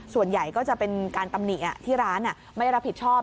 ส่วนใหญ่ก็จะเป็นการตำหนิที่ร้านไม่รับผิดชอบ